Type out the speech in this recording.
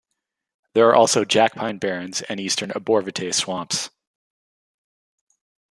There are also jack pine barrens and eastern arborvitae swamps.